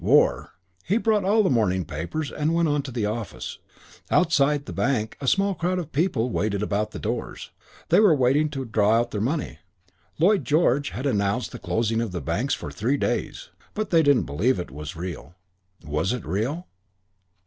War.... He bought all the morning papers and went on to the office. Outside a bank a small crowd of people waited about the doors. They were waiting to draw out their money. Lloyd George had announced the closing of the banks for three days; but they didn't believe it was real. Was it real?